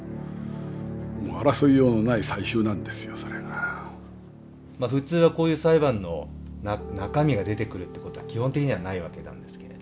つまりその普通はこういう裁判の中身が出てくるってことは基本的にはないわけなんですけれど。